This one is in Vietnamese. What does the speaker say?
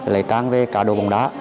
lấy trang về cá độ bóng đá